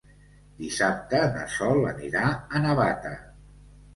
Dissabte na Sol anirà a Navata.